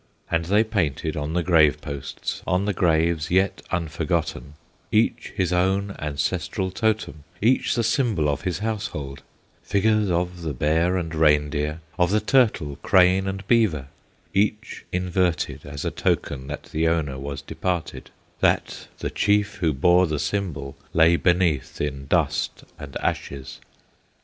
And they painted on the grave posts On the graves yet unforgotten, Each his own ancestral Totem, Each the symbol of his household; Figures of the Bear and Reindeer, Of the Turtle, Crane, and Beaver, Each inverted as a token That the owner was departed, That the chief who bore the symbol Lay beneath in dust and ashes.